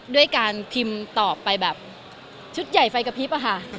ด้วยการพิมพ์ตอบไปแบบชุดใหญ่ไฟกระพริบอะค่ะ